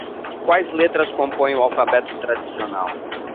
Quais letras compõem o alfabeto tradicional?